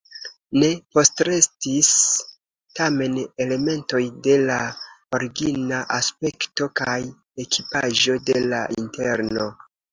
Ne postrestis tamen elementoj de la origina aspekto kaj ekipaĵo de la interno.